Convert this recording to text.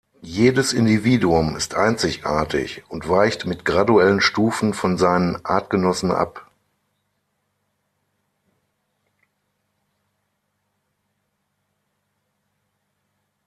Jedes Individuum ist einzigartig und weicht mit graduellen Stufen von seinen Artgenossen ab.